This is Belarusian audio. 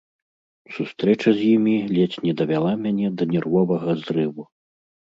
Сустрэча з імі ледзь не давяла мяне да нервовага зрыву.